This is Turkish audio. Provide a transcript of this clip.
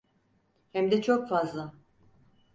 Hem de çok fazla.